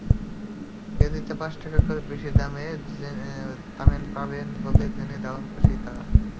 কেজিতে পাঁচ টাকা করে বেশি দাম পাবেন বলে জেনে দারুণ খুশি তাঁরা।